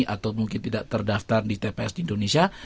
atau mungkin tidak terdaftar di tps di indonesia